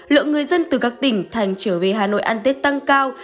lượng người dân từ các tỉnh thành trở về hà nội ăn tết tăng cao